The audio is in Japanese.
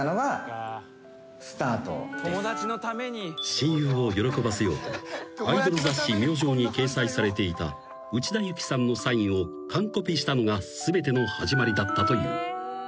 ［親友を喜ばせようとアイドル雑誌『Ｍｙｏｊｏ』に掲載されていた内田有紀さんのサインを完コピしたのが全ての始まりだったという］